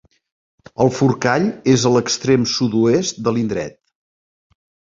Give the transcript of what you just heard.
El Forcall és a l'extrem sud-oest de l'indret.